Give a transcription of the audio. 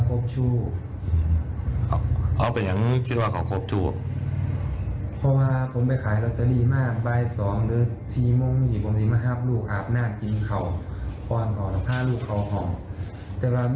คือตรวจธวัตรชายเองก็พยายามหาหลักฐาน